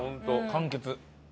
完結。